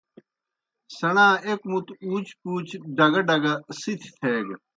سیْݨا ایْک مُتوْ ہُوچ پُوچ ڈگہ ڈگہ سِتھیْ تھیگہ۔